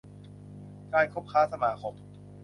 การคบค้าสมาคม